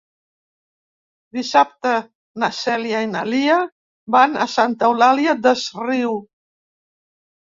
Dissabte na Cèlia i na Lia van a Santa Eulària des Riu.